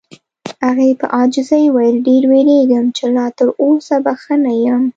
هغې په عاجزۍ وویل: ډېر وېریږم چې لا تر اوسه به ښه نه یم.